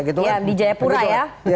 di jayapura ya